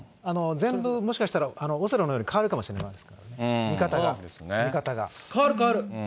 全部もしかしたらオセロのように変わるかもしれないですね、見方変わる、変わる。